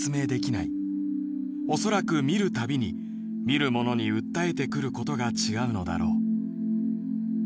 恐らく見るたびに見る者に訴えてくることが違うのだろう」。